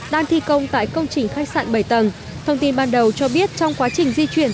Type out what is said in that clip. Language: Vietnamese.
đang thi công tại công trình khách sạn bảy tầng thông tin ban đầu cho biết trong quá trình di chuyển